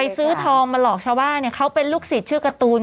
ซื้อทองมาหลอกชาวบ้านเขาเป็นลูกศิษย์ชื่อการ์ตูน